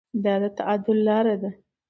دا د تعادل لاره ده.